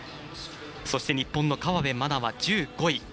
そして、日本の河辺愛菜は１５位。